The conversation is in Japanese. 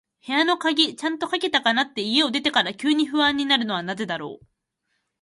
部屋の鍵、ちゃんとかけたかなって、家を出てから急に不安になるのはなぜだろう。